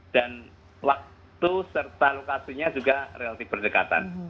dan waktu serta lokasinya juga relatif berdekatan